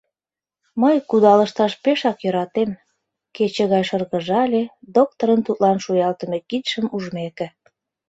Мый кудалышташ пешак йӧратем, — кече гай шыргыжале, доктырын тудлан шуялтыме кидшым ужмеке.